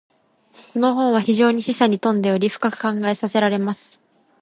•この本は非常に示唆に富んでおり、深く考えさせられます。